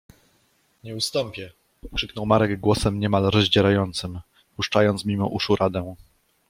— Nie ustąpię! — krzyknął Marek głosem niemal rozdzierającym, puszczając mimo uszu radę.